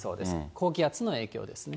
高気圧の影響ですね。